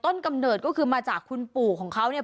กำเนิดก็คือมาจากคุณปู่ของเขาเนี่ย